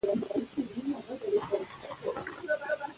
د مېلو له لاري خلک یو بل ته خوشحالي وربخښي.